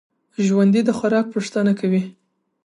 ژوندي د خوراک پوښتنه کوي